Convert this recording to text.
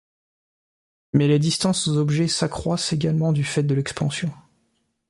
Mais les distances aux objets s'accroissent également du fait de l'expansion.